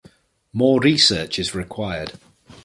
More research is required.